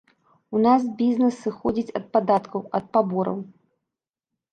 У нас бізнэс сыходзіць ад падаткаў, ад пабораў.